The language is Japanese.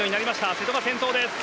瀬戸が先頭です。